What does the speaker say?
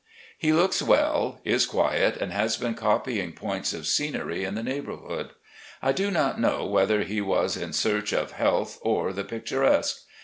He looks well, is quiet, and has been copying points of scenery in the neigh bourhood. I do not know whether he was in search of health or the picturesque.